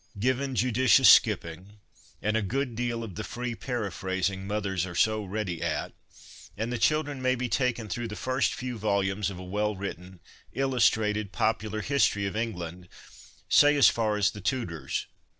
Given, judicious skipping, and a good deal of the free paraphrasing mothers are so ready at, and the children may be taken through the first few volumes of a well written, illustrated, popular history of Eng land, say as far as the Tudors.